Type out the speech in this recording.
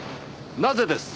なぜです？